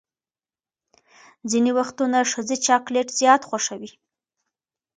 ځینې وختونه ښځې چاکلیټ زیات خوښوي.